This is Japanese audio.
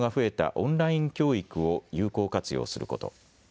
オンライン教育を有効活用すること。